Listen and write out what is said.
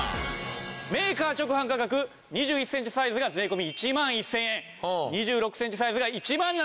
メーカー直販価格２１センチサイズが税込１万１０００円２６センチサイズが１万７６００円。